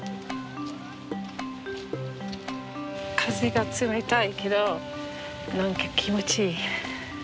風が冷たいけどなんか気持ちいい。